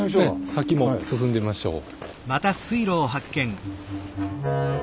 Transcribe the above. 先も進んでみましょう。